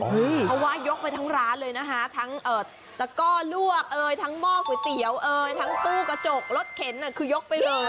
เพราะว่ายกไปทั้งร้านเลยนะฮะและก็ลวกหม้อก๋วยเตี๋ยวตู้กระโจกรสเข็นคือยกไปเลย